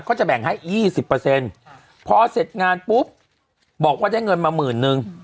ก็จะแบ่งให้ยี่สิบเปอร์เซ็นต์พอเสร็จงานปุ๊บบอกว่าได้เงินมาหมื่นหนึ่ง